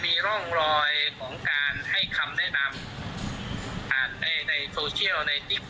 มีร่องรอยของการให้คำแนะนำในโซเชียลในติ๊กต๊อบ